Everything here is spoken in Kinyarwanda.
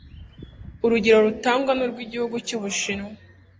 Urugero rutangwa nurw'igihugu cy'ubushinwa